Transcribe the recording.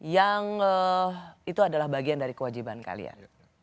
yang itu adalah bagian dari kewajiban kalian